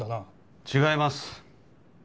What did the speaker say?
違います。